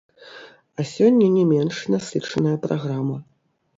А сёння не менш насычаная праграма.